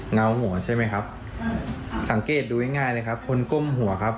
เงาหัวใช่ไหมครับสังเกตดูง่ายง่ายเลยครับคนก้มหัวครับ